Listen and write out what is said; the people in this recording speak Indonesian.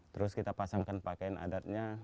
terus kita pasangkan pakaian adatnya